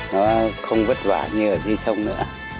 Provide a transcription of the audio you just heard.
nó không vất vả như ở đây